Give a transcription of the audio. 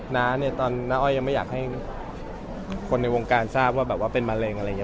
น้าเนี่ยตอนน้าอ้อยยังไม่อยากให้คนในวงการทราบว่าแบบว่าเป็นมะเร็งอะไรอย่างนี้